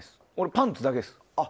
パンツだけです。